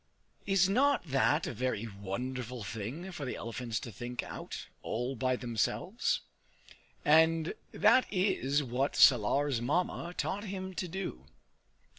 Is not that a very wonderful thing for the elephants to think out, all by themselves? And that is what Salar's Mamma taught him to do.